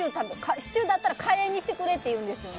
シチューだったらカレーにしてくれって言うんですよね。